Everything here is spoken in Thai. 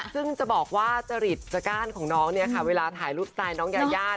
ซึ่งบอกว่าจริตจากก้านของน้องว่าถ่ายรู๊ปสไทล์น้องยะ